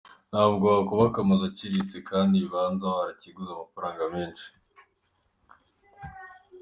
Ntabwo wakubaka amazu aciriritse kandi ikibanza warakiguze amafaranga menshi.